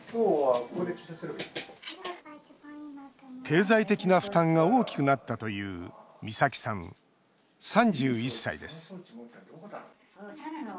経済的な負担が大きくなったという美咲さん、３１歳です。